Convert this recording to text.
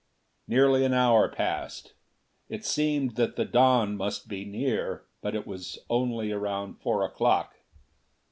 Nearly an hour passed. It seemed that the dawn must be near, but it was only around four o'clock.